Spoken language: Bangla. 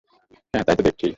হ্যাঁ, তা তো দেখছিই।